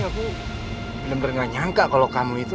aku bener bener gak nyangka kalau kamu itu